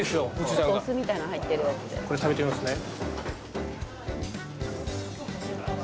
これ食べてみますね。